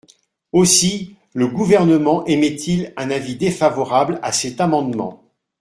Aussi le Gouvernement émet-il un avis défavorable à cet amendement.